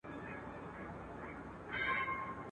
تا خو جهاني د سباوون په تمه ستړي کړو.